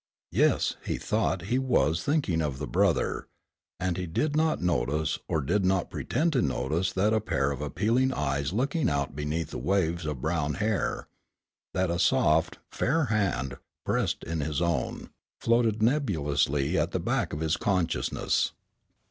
Yes, he thought he was thinking of the brother, and he did not notice or did not pretend to notice that a pair of appealing eyes looking out beneath waves of brown hair, that a soft, fair hand, pressed in his own, floated nebulously at the back of his consciousness.